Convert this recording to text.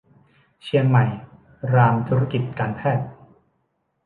เชียงใหม่รามธุรกิจการแพทย์